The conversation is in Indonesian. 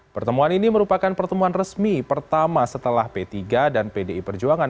pertemuan ini merupakan pertemuan resmi pertama setelah p tiga dan pdi perjuangan